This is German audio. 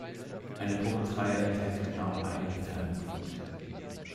Eine Punktreihe enthält genau einen Fernpunkt.